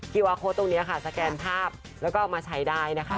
ีวาโค้ดตรงนี้ค่ะสแกนภาพแล้วก็เอามาใช้ได้นะคะ